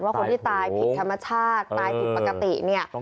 คนที่ตายผิดธรรมชาติตายผิดปกติเนี่ย